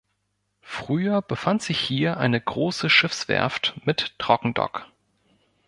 Früher befand sich hier eine große Schiffswerft mit Trockendock.